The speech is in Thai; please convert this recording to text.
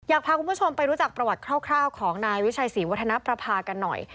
พาคุณผู้ชมไปรู้จักประวัติคร่าวของนายวิชัยศรีวัฒนประภากันหน่อย